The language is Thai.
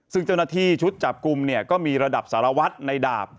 ซึ่งเจ้าหน้าที่ชุดจับกลุ่มเนี่ยก็มีระดับสารวัตรในดาบ